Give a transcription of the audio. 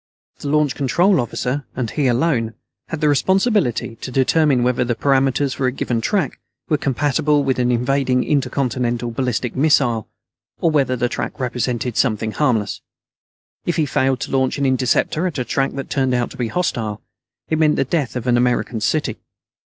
The Launch Control Officer, and he alone, had the responsibility to determine whether the parameters for a given track were compatible with an invading Intercontinental Ballistic Missile, or whether the track represented something harmless. If he failed to launch an interceptor at a track that turned out to be hostile, it meant the death of an American city.